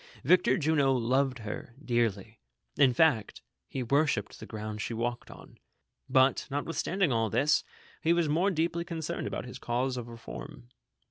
Victor Jimo loved her dearly, in fact, he worshipped the ground she walked on ; but, notwithstanding all this, he was more deeply concerned about his cause of reform.